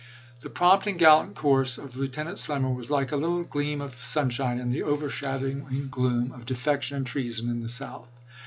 The prompt and gallant course of Lieutenant Slemmer was like a little gleam of sunshine in the overshadowing gloom of defection and treason in the South.